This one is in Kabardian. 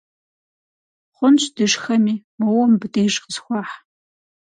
Хъунщ дышхэми, моуэ мыбдеж къысхуэхь.